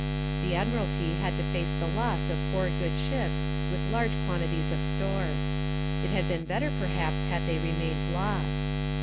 The Admiralty had to face the loss of four good ships with large quantities of stores. It had been better perhaps had they remained lost.